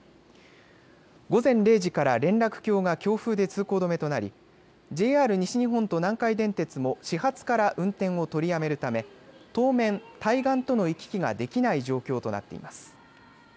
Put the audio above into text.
午前０時から連絡橋が強風で通行止めとなりＪＲ西日本と南海電鉄も始発から運転を取りやめるため当面、対岸との行き来ができない状況となっています。